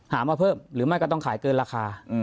มาเพิ่มหรือไม่ก็ต้องขายเกินราคา